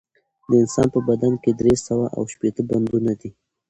د انسان په بدن کښي درې سوه او شپېته بندونه دي